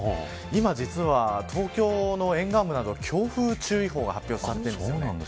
今、実は東京の沿岸部など強風注意報が発表されているんですよね。